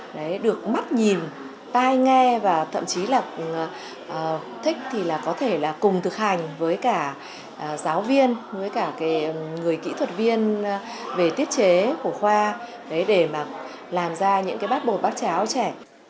đấy được mắt nhìn tai nghe và thậm chí là thích thì là có thể là cùng thực hành với cả giáo viên với cả cái người kỹ thuật viên về tiết chế của khoa để mà làm ra những cái bát bột bát cháo trẻ